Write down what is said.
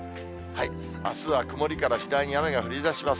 あすは曇りから次第に雨が降りだします。